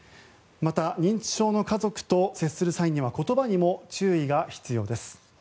また、認知症の家族と接する際には言葉にも注意が必要です。